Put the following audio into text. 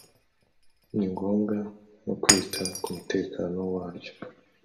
ni ngombwa no kwita ku mutekano waryo